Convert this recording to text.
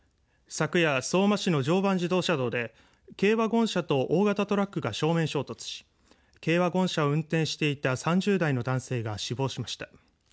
昨夜、相馬市の常磐自動車道で軽ワゴン車と大型トラックが正面衝突し軽ワゴン車を運転していた３０代の男性が死亡しました。